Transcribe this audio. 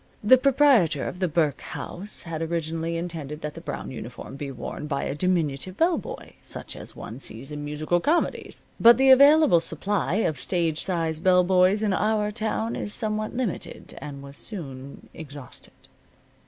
The proprietor of the Burke House had originally intended that the brown uniform be worn by a diminutive bell boy, such as one sees in musical comedies. But the available supply of stage size bell boys in our town is somewhat limited and was soon exhausted.